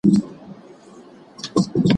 ستا دلویی اندازه نه کیږي چي څونه به یې